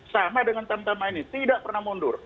sama dengan tamtama ini tidak pernah mundur